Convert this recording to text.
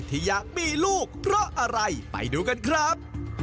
ที่อยากมีลูกเพราะอะไรไปดูกันครับ